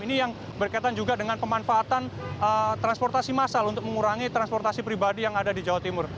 ini yang berkaitan juga dengan pemanfaatan transportasi massal untuk mengurangi transportasi pribadi yang ada di jawa timur